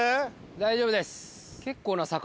大丈夫です。